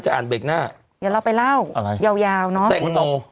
อ่านเบรกหน้าเดี๋ยวเราไปเล่าอะไรยาวยาวเนอะแต่งคนโต